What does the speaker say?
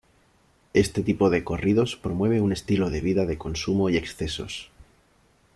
Este tipo de corridos promueve un estilo de vida de consumo y excesos.